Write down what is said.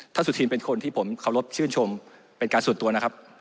สุธินเป็นคนที่ผมเคารพชื่นชมเป็นการส่วนตัวนะครับ